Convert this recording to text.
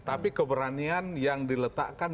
tapi keberanian yang diletakkan